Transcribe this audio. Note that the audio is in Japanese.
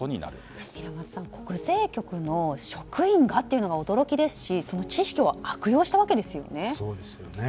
平松さん、国税局の職員がっていうのが驚きですしその知識を悪用したわけですよね。